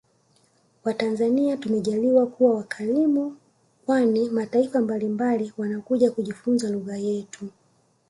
Watanzania tumejaliwa kuwa wakalimu kwani mataifa mbalimbali wanakuja kujifunza lugja yetu